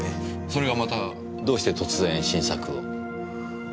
それがまたどうして突然新作を？